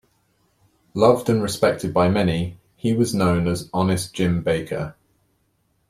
Loved and respected by many, he was known as "Honest Jim Baker".